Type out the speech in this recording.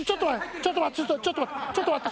ちょっと待ってちょっとちょっと待って！